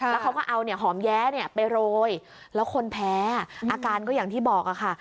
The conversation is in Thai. แล้วเขาก็เอาเนี่ยหอมแย้ไปโรยแล้วคนแพ้อาการก็อย่างที่บอกค่ะ